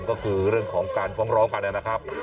ก็คือเรื่องของการฟ้องร้องกันนะครับ